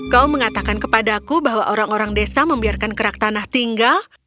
kau mengatakan kepada aku bahwa orang orang desa membiarkan keraktanah tinggal